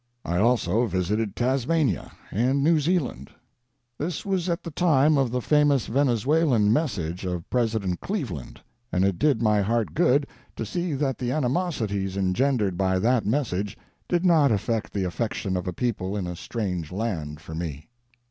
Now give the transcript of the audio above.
I also visited Tasmania and New Zealand. "This was at the time of the famous Venezuelan message of President Cleveland, and it did my heart good to see that the animosities engendered by that message did not affect the affection of a people in a strange land for me.